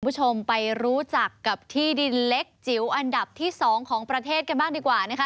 คุณผู้ชมไปรู้จักกับที่ดินเล็กจิ๋วอันดับที่๒ของประเทศกันบ้างดีกว่านะคะ